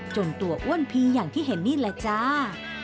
จนตัวอ้วนพีอย่างที่เห็นนี่แหละจ้า